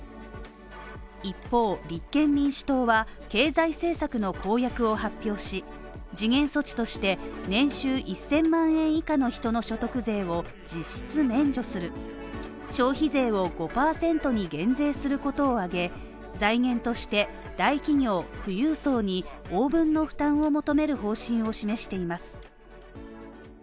一方、立憲民主党は経済政策の公約を発表し、時限措置として、年収１０００万円以下の人の所得税を実質免除する消費税を５％に減税することを挙げ、財源として、大企業、富裕層に応分の負担を求める方針を示しています。